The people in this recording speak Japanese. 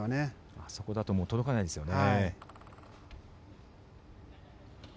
あそこだともう届かないですよね。